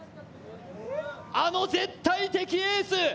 あの絶対的エース